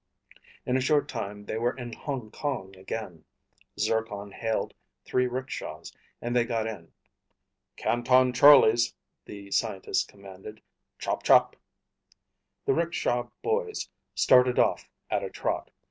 In a short time they were in Hong Kong again. Zircon hailed three rickshaws and they got in. "Canton Charlie's," the scientist commanded. "Chop chop." The rickshaw boys started off at a trot.